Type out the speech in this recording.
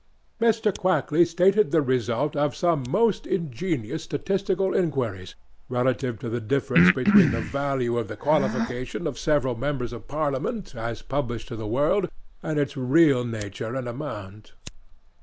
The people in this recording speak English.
'MR. KWAKLEY stated the result of some most ingenious statistical inquiries relative to the difference between the value of the qualification of several members of Parliament as published to the world, and its real nature and amount.